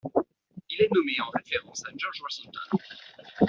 Il est nommé en référence à George Washington.